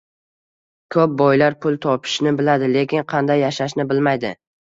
Ko‘p boylar pul topishni biladi, lekin qanday yashashni bilmaydi.